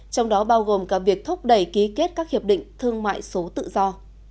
trong đó bao gồm cả việc thúc đẩy ký kết các hiệp định thương mại số tự do